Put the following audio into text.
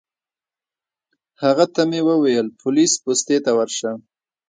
هغه ته مې وویل پولیس پوستې ته ورشه.